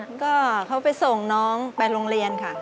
แล้วก็เขาไปส่งน้องไปโรงเรียนค่ะ